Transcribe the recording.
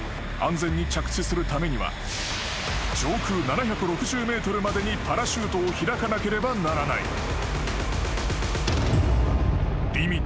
［安全に着地するためには上空７６０ｍまでにパラシュートを開かなければならない］